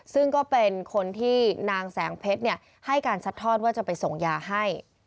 ซึ่งก็เป็นคนที่นางแสงเพชรให้การซัดทอดว่าจะไปส่งยาให้